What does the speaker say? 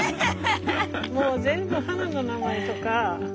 もう全部花の名前とか。